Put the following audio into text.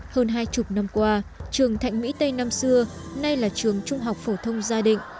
hơn hai chục năm qua trường thạnh mỹ tây năm xưa nay là trường trung học phổ thông gia định